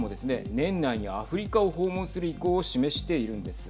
年内にアフリカを訪問する意向を示しているんです。